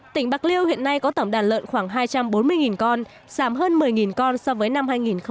tỉnh bạc liêu hiện nay có tổng đàn lợn khoảng hai trăm bốn mươi con giảm hơn một mươi con so với năm hai nghìn một mươi tám